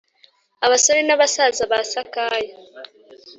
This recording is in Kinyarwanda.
Abasore n'abasaza basakaya